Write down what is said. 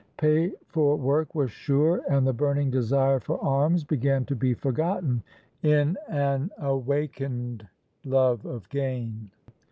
Pay for work was sure, and the burning desire for arms began to be forgotten in an awakened love of gain.